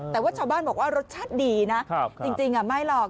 แต่ว่าชาวบ้านบอกว่ารสชาติดีนะครับครับจริงจริงอ่ะไม่หรอก